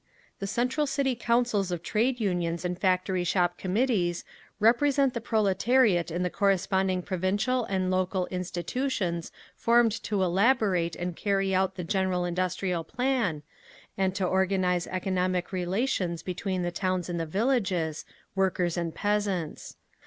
The central city councils of Trade Unions and Factory Shop Committees represent the proletariat in the corresponding provincial and local institutions formed to elaborate and carry out the general industrial plan, and to organise economic relations between the towns and the villages (workers and peasants).